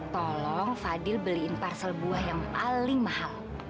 tolong fadil beliin parsel buah yang paling mahal